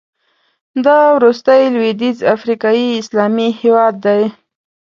دا وروستی لوېدیځ افریقایي اسلامي هېواد دی.